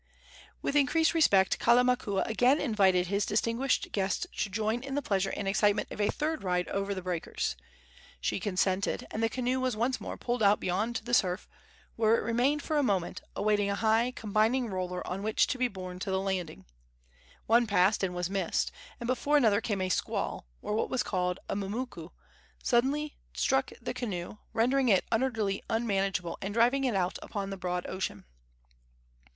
With increased respect Kalamakua again invited his distinguished guest to join in the pleasure and excitement of a third ride over the breakers. She consented, and the canoe was once more pulled out beyond the surf, where it remained for a moment, awaiting a high, combing roller on which to be borne to the landing. One passed and was missed, and before another came a squall, or what was called a mumuku, suddenly struck the canoe, rendering it utterly unmanageable and driving it out upon the broad ocean.